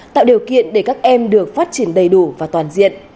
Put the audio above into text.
tạo điều kiện để các em được phát triển đầy đủ và toàn diện